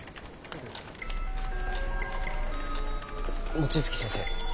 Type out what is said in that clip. ☎望月先生